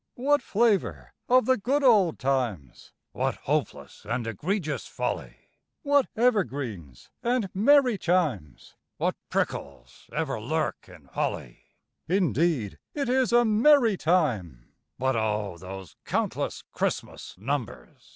_) What flavour of the good old times! (What hopeless and egregious folly!) What evergreens and merry chimes! (What prickles ever lurk in holly!) Indeed it is a merry time; (_But O! those countless Christmas numbers!